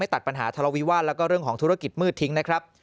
ตัดปัญหาทะเลาวิวาสแล้วก็เรื่องของธุรกิจมืดทิ้งนะครับ